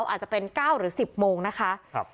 อาจจะเป็นเก้าหรือสิบโมงนะคะครับ